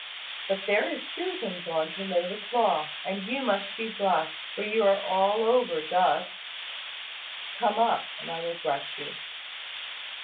"But there is Susan gone to lay the cloth; and you must be brushed; for you are all over dust. Come up, and I will brush you."